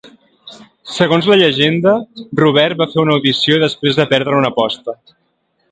Segons la llegenda, Robert va fer una audició després de perdre una aposta.